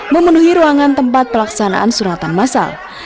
memenuhi ruangan tempat pelaksanaan suratan masal